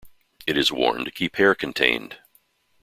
It is worn to keep hair contained.